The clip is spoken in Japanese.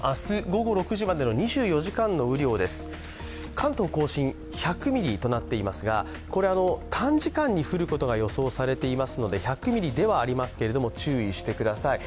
関東甲信１００ミリとありますが短時間に降ることが予想されていますので１００ミリではありますけれども、注意してください。